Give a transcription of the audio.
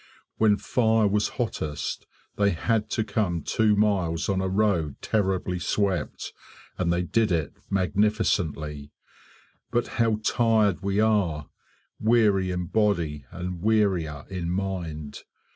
When fire was hottest they had to come two miles on a road terribly swept, and they did it magnificently. But how tired we are! Weary in body and wearier in mind.